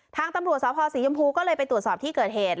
ทางตำรวจสภศรีชมพูก็เลยไปตรวจสอบที่เกิดเหตุ